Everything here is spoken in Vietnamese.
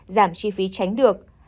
giảm chi phí tránh được